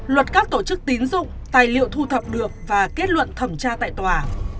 luật các tổ chức tín dụng tài liệu thu thập được và kết luận thẩm tra tại tòa